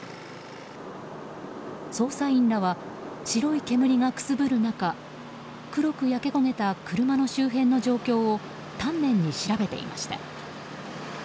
捜査員らは、白い煙がくすぶる中黒く焼け焦げた車の周辺の状況を丹念に調べていました。